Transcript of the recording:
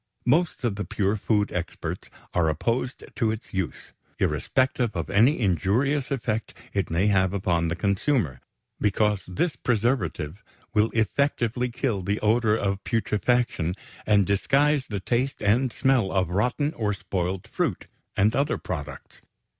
Most of the pure food experts are opposed to its use, irrespective of any injurious effect it may have upon the consumer, because this preservative will effectively kill the odor of putrefaction and disguise the taste and smell of rotten or spoiled fruit and other products.